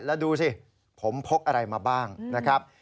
แล้วดูสิผมพกอะไรมาบ้างนะครับ